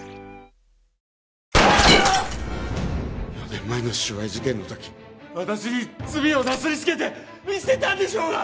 ４年前の収賄事件の時私に罪をなすりつけて見捨てたんでしょうが！